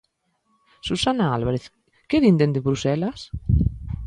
Susana Álvarez, que din dende Bruxelas?